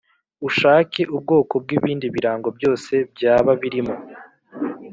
Ushake ubwoko bw’ibindi birango byose byaba birimo